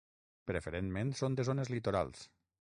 Preferentment són de zones litorals.